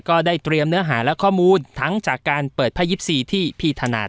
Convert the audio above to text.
ก็ได้เตรียมเนื้อหาและข้อมูลทั้งจากการเปิดไพ่๒๔ที่พี่ถนัด